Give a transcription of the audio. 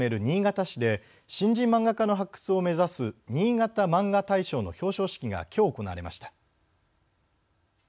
新潟市で新人漫画家の発掘を目指すにいがたマンガ大賞の表彰式がきょう行われました。